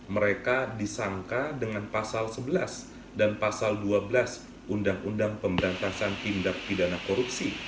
mereka disangka dengan pasal sebelas dan pasal dua belas undang undang pemberantasan tindak pidana korupsi